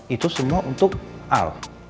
itu semua untuk al